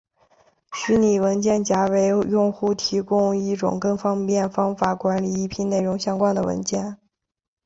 虚拟文件夹为用户提供一种更方便方法管理一批内容相关的文件。